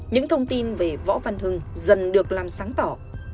những thông tin về võ văn hưng dần được làm sáng tỏ